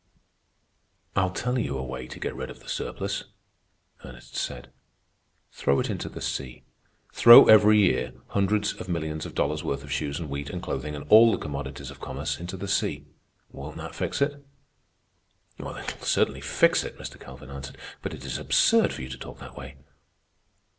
"I'll tell you a way to get rid of the surplus," Ernest said. "Throw it into the sea. Throw every year hundreds of millions of dollars' worth of shoes and wheat and clothing and all the commodities of commerce into the sea. Won't that fix it?" "It will certainly fix it," Mr. Calvin answered. "But it is absurd for you to talk that way."